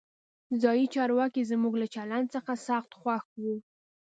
ځایي چارواکي زموږ له چلند څخه سخت خوښ وو.